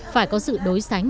phải có sự đối sánh